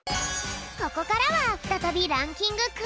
ここからはふたたびランキングクイズ。